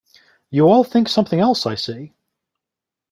You all think something else, I see.